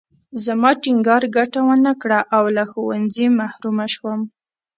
زما ټینګار ګټه ونه کړه او له ښوونځي محرومه شوم